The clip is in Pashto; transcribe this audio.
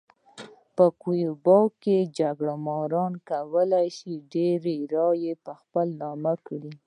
په کولمبیا کې جګړه مار کولای شي ډېرې رایې په خپل نوم کړي.